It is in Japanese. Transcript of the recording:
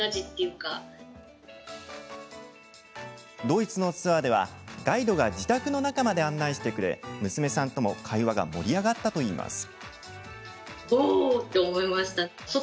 ドイツのツアーではガイドが自宅の中まで案内してくれ、娘さんとも会話が盛り上がったといいます。